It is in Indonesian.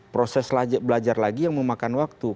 proses belajar lagi yang memakan waktu